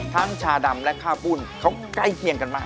ทั้งชาดำและข้าวปูนเค้าใกล้เคียงกันมาก